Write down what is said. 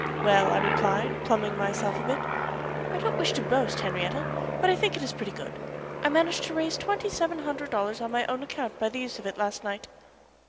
"Well," I replied, pluming myself a bit, "I don't wish to boast, Henriette, but I think it is pretty good. I managed to raise twenty seven hundred dollars on my own account by the use of it last night."